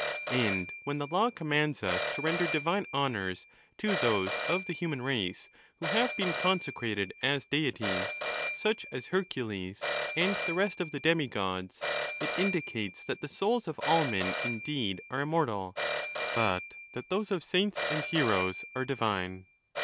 And when the law commands us to render divine honours to those of the human race who have been consecrated as deities, such as Hercules, and the rest of the demi gods, it indicates that the souls of all men indeed are immortal, but that those of saints and heroes are divine.